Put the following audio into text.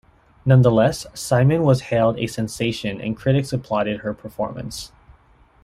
Nonetheless, Simon was hailed a sensation and critics applauded her performance.